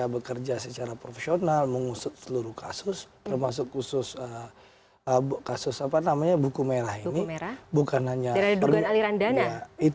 kpk bekerja secara profesional mengusut seluruh kasus termasuk khusus kasus buku merah ini